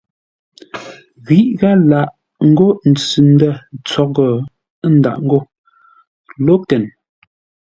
Ghíʼ gháp lâʼ ńgó ntsʉ-ndə̂ tsóʼo ə́ ndâʼ ńgó locken.